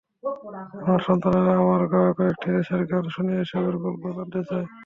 আমার সন্তানেরা আমার গাওয়া কয়েকটি দেশের গান শুনে এসবের গল্প জানতে চায়।